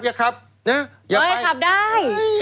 อย่าไปเฮ้ยขับได้